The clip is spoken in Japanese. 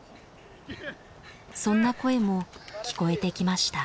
そんな声も聞こえてきました。